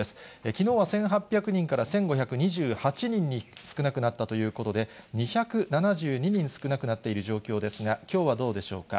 きのうは１８００人から１５２８人に少なくなったということで、２７２人少なくなっている状況ですが、きょうはどうでしょうか。